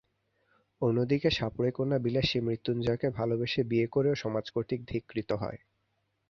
অন্যদিকে, সাপুড়ে কন্যা বিলাসী মৃত্যুঞ্জয়কে ভালোবেসে বিয়ে করেও সমাজ কর্তৃক ধিক্কৃত হয়।